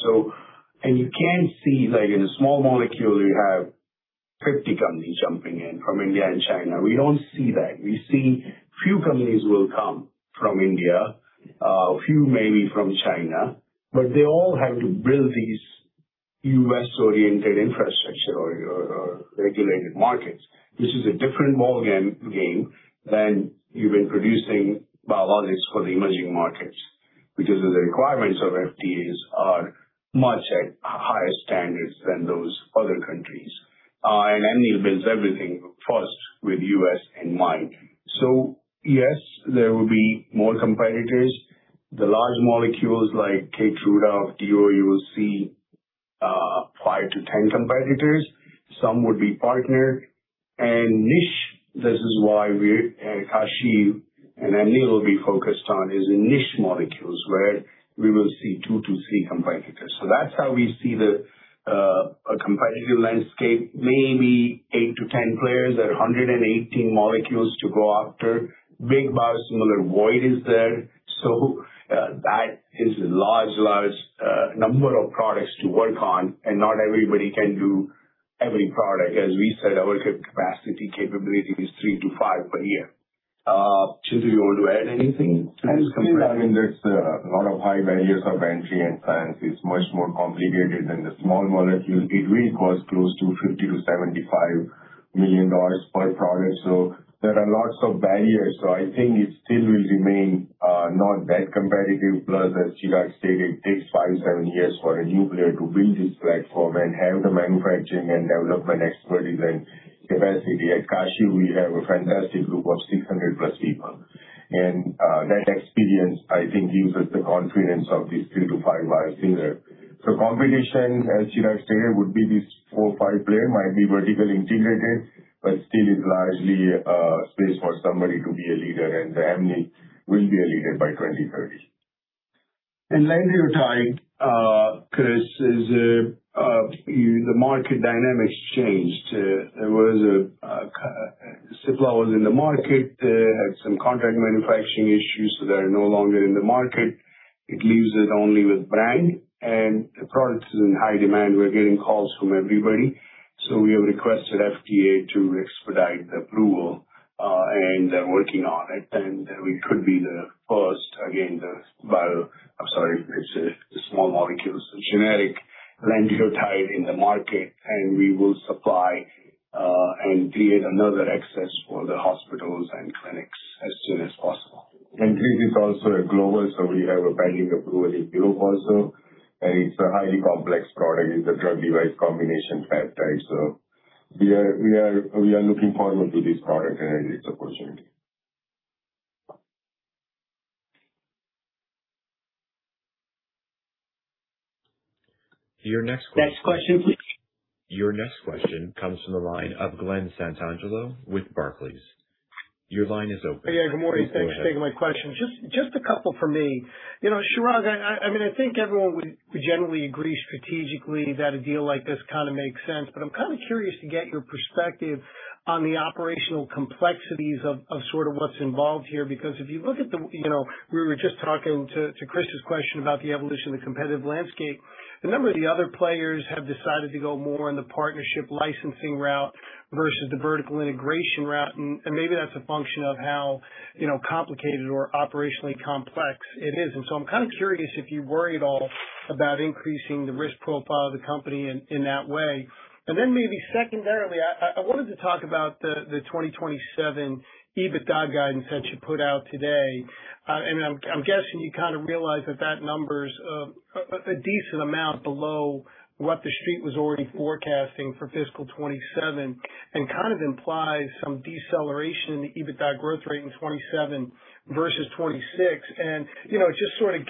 C: You can see, like in a small molecule, you have 50 companies jumping in from India and China. We don't see that. We see few companies will come from India, few maybe from China, but they all have to build these U.S.-oriented infrastructure or regulated markets. This is a different ball game than you've been producing biologics for the emerging markets, because the requirements of FDA's are much at higher standards than those other countries. Amneal builds everything first with U.S. in mind. Yes, there will be more competitors. The large molecules like Keytruda, Opdivo, you will see 5 to 10 competitors. Some would be partnered. Niche, this is why we're Kashiv and Amneal will be focused on, is in niche molecules where we will see 2 to 3 competitors. That's how we see the competitive landscape. Maybe 8 to 10 players at 118 molecules to go after. Big biosimilar void is there. That is a large number of products to work on, and not everybody can do every product. As we said, our capacity capability is 3 to 5 per year. Chintu, you want to add anything to this comparison?
D: I mean, there's a lot of high barriers of entry, and science is much more complicated than the small molecules. It will cost close to $50 million-$75 million per product. There are lots of barriers. I think it still will remain not that competitive. Plus, as Chirag stated, it takes 5, 7 years for a new player to build this platform and have the manufacturing and development expertise and capacity. At Kashiv, we have a fantastic group of 600+ people. That experience, I think, gives us the confidence of these 3-5 biosimilar. Competition, as Chirag stated, would be these 4, 5 player, might be vertically integrated, but still is largely space for somebody to be a leader, and Amneal will be a leader by 2030.
C: Lanreotide, Chris, is the market dynamics changed. There was a supplier was in the market. They had some contract manufacturing issues, so they're no longer in the market. It leaves it only with brand and the product is in high demand. We're getting calls from everybody. We have requested FDA to expedite the approval, and they're working on it. We could be the first, again, I'm sorry, it's the small molecule, so generic lenalidomide in the market, and we will supply and create another access for the hospitals and clinics as soon as possible.
D: This is also a global, so we have a pending approval in Europe also, and it's a highly complex product. It's a drug-device combination peptide. We are looking forward to this product and its opportunity.
A: Your next question.
C: Next question, please.
A: Your next question comes from the line of Glenn Santangelo with Barclays. Your line is open.
J: Hey, good morning.
A: Go ahead.
J: Thanks for taking my question. Just a couple from me. You know, Chirag, I mean, I think everyone would generally agree strategically that a deal like this kinda makes sense, but I'm kinda curious to get your perspective on the operational complexities of sort of what's involved here. If you look at the, you know, we were just talking to Chris's question about the evolution of the competitive landscape. A number of the other players have decided to go more in the partnership licensing route versus the vertical integration route. Maybe that's a function of how, you know, complicated or operationally complex it is. I'm kind of curious if you worry at all about increasing the risk profile of the company in that way. Maybe secondarily, I wanted to talk about the 2027 EBITDA guidance that you put out today. I'm guessing you kind of realize that number's a decent amount below what the street was already forecasting for fiscal 2027 and kind of implies some deceleration in the EBITDA growth rate in 2027 versus 2026. You know, just sort of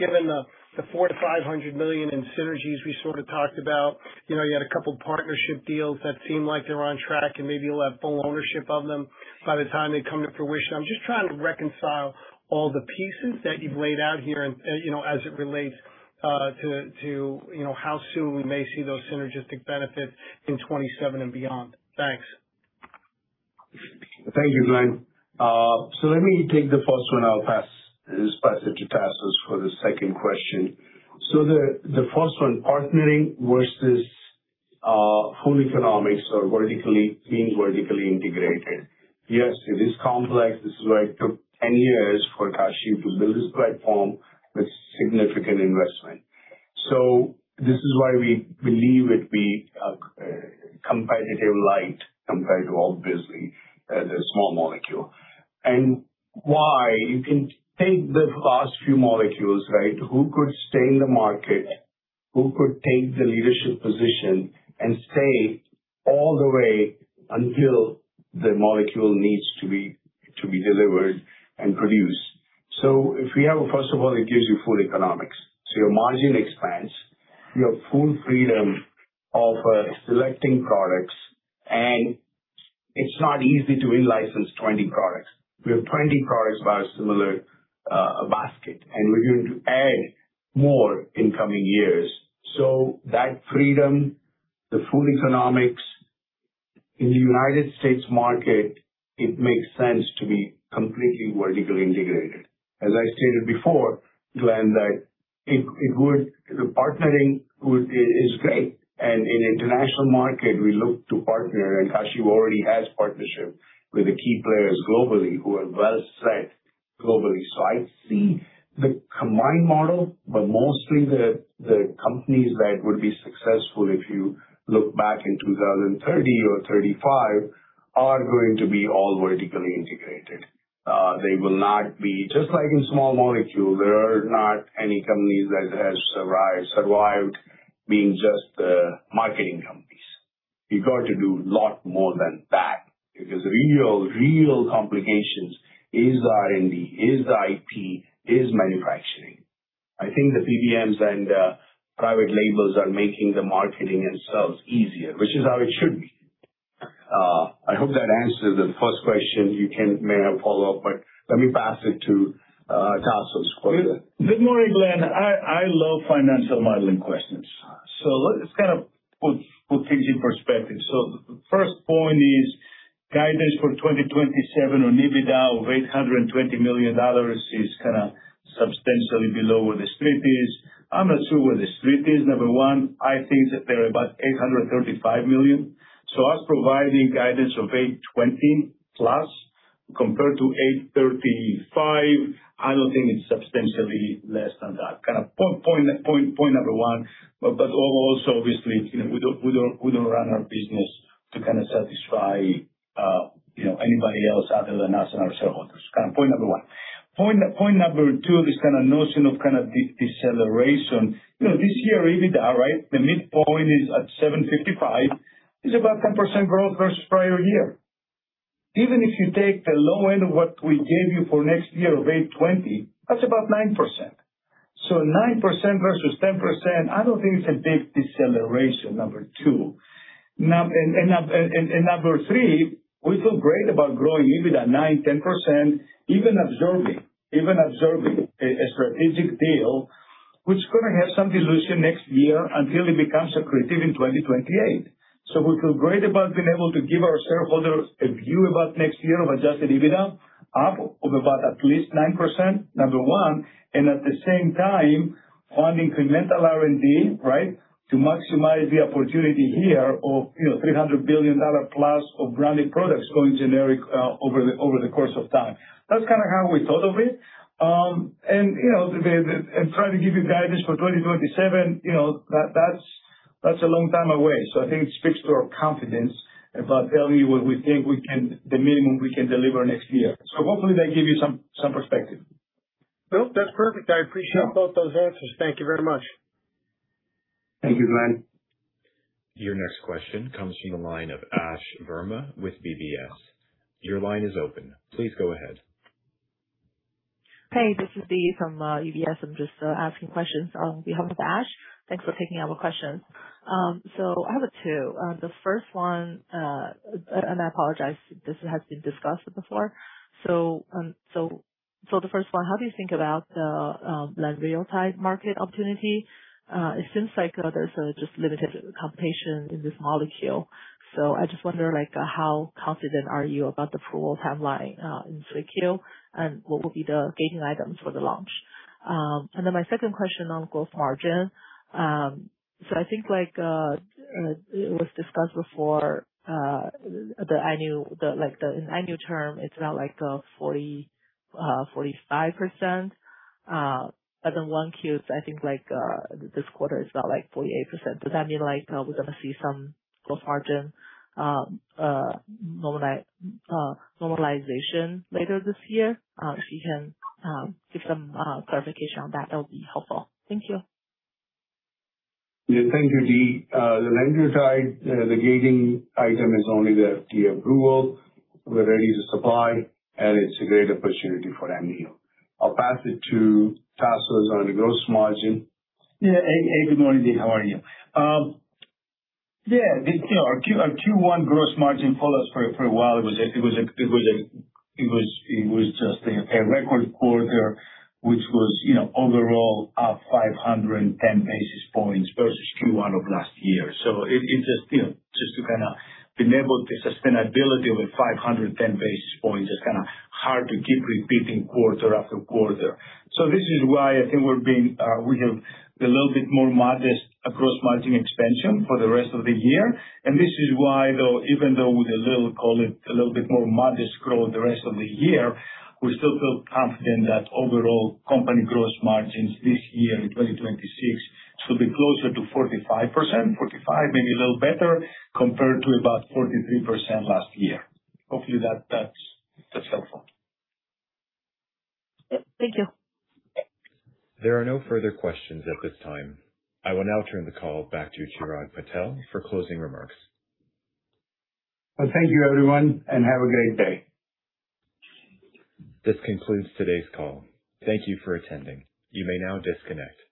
J: given the $400 million-$500 million in synergies we sort of talked about. You know, you had a couple partnership deals that seem like they're on track, and maybe you'll have full ownership of them by the time they come to fruition. I'm just trying to reconcile all the pieces that you've laid out here and, you know, as it relates to, you know, how soon we may see those synergistic benefits in 2027 and beyond. Thanks.
C: Thank you, Glenn. Let me take the first one. I'll pass this back to Tasos for the second question. The, the first one, partnering versus full economics or vertically, being vertically integrated. Yes, it is complex. This is why it took 10 years for Kashiv to build this platform with significant investment. This is why we believe it to be competitive light compared to all busy, the small molecule. Why you can take the last few molecules, right? Who could stay in the market, who could take the leadership position and stay all the way until the molecule needs to be delivered and produced? First of all, it gives you full economics. Your margin expands, you have full freedom of selecting products, and it's not easy to re-license 20 products. We have 20 products biosimilar basket, and we're going to add more in coming years. That freedom, the full economics. In the U.S. market, it makes sense to be completely vertically integrated. As I stated before, Glenn, that partnering is great. In international market we look to partner, and Kashiv already has partnership with the key players globally who are well set globally. I see the combined model, but mostly the companies that would be successful if you look back in 2030 or 2035 are going to be all vertically integrated. Just like in small molecule, there are not any companies that has survived being just marketing companies. You've got to do lot more than that because real complications is R&D, is IP, is manufacturing. I think the PBMs and private labels are making the marketing and sales easier, which is how it should be. I hope that answers the first question. You may have follow-up, but let me pass it to Tasos. Go ahead.
E: Good morning, Glenn. I love financial modeling questions. Let's kind of put things in perspective. First point is guidance for 2027 on EBITDA of $820 million is kind of substantially below where the Street is. I'm not sure where the Street is, number one. I think that they're about $835 million. Us providing guidance of $820 plus compared to $835, I don't think it's substantially less than that. Kind of point number one. Also obviously, you know, we don't run our business to kind of satisfy, you know, anybody else other than us and our shareholders. Kind of point number one. Point number two, this kind of notion of kind of deceleration. You know, this year EBITDA, right? The midpoint is at $755, is about 10% growth versus prior year. Even if you take the low end of what we gave you for next year of $820, that's about 9%. 9% versus 10%, I don't think it's a big deceleration, number two. Number three, we feel great about growing EBITDA 9%, 10%, even absorbing, even absorbing a strategic deal, which is gonna have some dilution next year until it becomes accretive in 2028. We feel great about being able to give our shareholders a view about next year of adjusted EBITDA, up of about at least 9%, number one. At the same time, on incremental R&D, right? To maximize the opportunity here of, you know, $300 billion plus of branded products going generic over the course of time. That's kind of how we thought of it. You know, trying to give you guidance for 2027, you know, that's a long time away. I think it speaks to our confidence about telling you what we think the minimum we can deliver next year. Hopefully that gave you some perspective.
J: Glenn, that's perfect. I appreciate both those answers. Thank you very much.
C: Thank you, Glenn.
A: Your next question comes from the line of Ash Verma with UBS. Your line is open. Please go ahead.
K: Hey, this is Dee from UBS. I'm just asking questions on behalf of Ash. Thanks for taking our questions. I have two. The first one, and I apologize if this has been discussed before. The first one, how do you think about the lenvatinib market opportunity? It seems like there's just limited competition in this molecule. I just wonder, like, how confident are you about the approval timeline in 3Q, and what will be the gating items for the launch? My second question on growth margin. I think like it was discussed before, the Amneal term, it's about like 40%-45%. 1Q, I think, like, this quarter is about, like, 48%. Does that mean, like, we're gonna see some growth margin normalization later this year? If you can give some clarification on that would be helpful. Thank you.
C: Yeah. Thank you, Dee. The lenvatinib, the gating item is only the FDA approval. We're ready to supply, and it's a great opportunity for Amneal. I'll pass it to Tasos on the gross margin.
E: Hey, good morning, Dee. How are you? You know, our Q1 gross margin followed for a while. It was just a record quarter which was, you know, overall up 510 basis points versus Q1 of last year. It just, you know, just to kinda enable the sustainability of a 510 basis points is kinda hard to keep repeating quarter after quarter. This is why I think we're being, we have a little bit more modest gross margin expansion for the rest of the year. This is why though, even though with a little, call it, a little bit more modest growth the rest of the year, we still feel confident that overall company gross margins this year in 2026 should be closer to 45%, 45, maybe a little better, compared to about 43% last year. Hopefully that's, that's helpful.
K: Yep. Thank you.
A: There are no further questions at this time. I will now turn the call back to Chirag Patel for closing remarks.
C: Well, thank you everyone, and have a great day.
A: This concludes today's call. Thank you for attending. You may now disconnect.